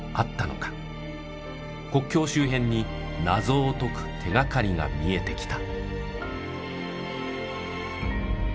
国境周辺に謎を解く手掛かりが見えてきた。